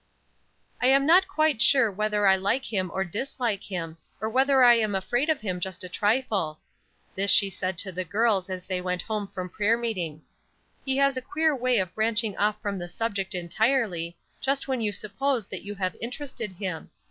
"I am not quite sure whether I like him or dislike him, or whether I am afraid of him just a trifle." This she said to the girls as they went home from prayer meeting. "He has a queer way of branching off from the subject entirely, just when you suppose that you have interested him.